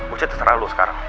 ucet seterah lo sekarang